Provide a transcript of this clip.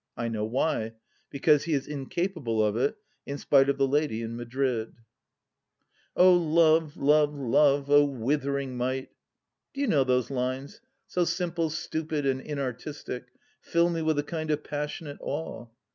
I know why : because he is incapable of it, in spite of the lady in Madrid. " Love ! Love ! Love ! 0, withering might! " Do you know those lines, so simple, stupid, and inartistic, fill me with a kind of passionate awe.